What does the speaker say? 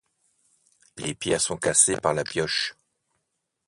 les pierres sont cassées par la pioche